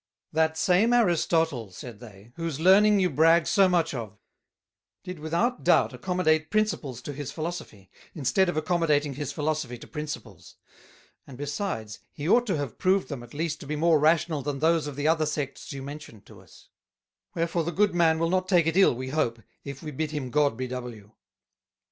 "That same Aristotle," said they, "whose Learning you brag so much of, did without doubt accommodate Principles to his Philosophy; instead of accommodating his Philosophy to Principles; and besides he ought to have proved them at least to be more rational than those of the other Sects you mentioned to us: Wherefore the good Man will not take it ill, we hope, if we bid him God b'w'."